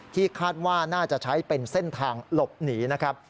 คาดว่าน่าจะใช้เป็นเส้นทางหลบหนีนะครับ